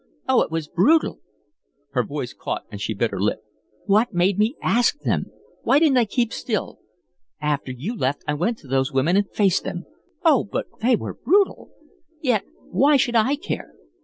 Oh, it was brutal!" Her voice caught and she bit her lip. "What made me ask them? Why didn't I keep still? After you left, I went to those women and faced them. Oh, but they were brutal? Yet, why should I care?"